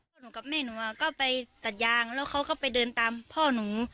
หนูกับแม่หนูก็ไปตัดยางแล้วเขาก็ไปเดินตามพ่อหนู